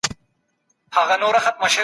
پاکې جامې ناروغۍ مخه نیسي.